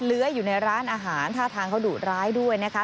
เลื้อยอยู่ในร้านอาหารท่าทางเขาดุร้ายด้วยนะคะ